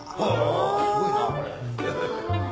すごいなこれ。